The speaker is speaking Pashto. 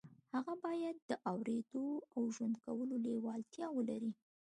هغه بايد د اورېدو او ژوند کولو لېوالتیا ولري.